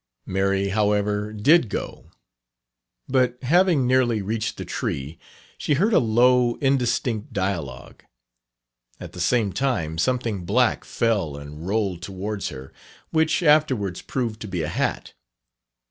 Mary, however, did go; but having nearly reached the tree, she heard a low, indistinct dialogue; at the same time, something black fell and rolled towards her, which afterwards proved to be a hat.